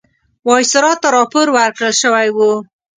وایسرا ته راپور ورکړل شوی وو.